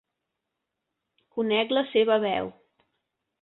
Conec la seva veu.